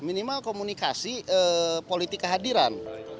minimal komunikasi politik kehadiran